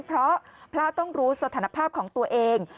เพราะพระต้องรู้สถานภาพของตัวเอง